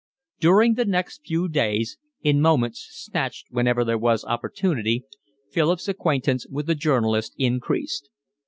During the next few days, in moments snatched whenever there was opportunity, Philip's acquaintance with the journalist increased.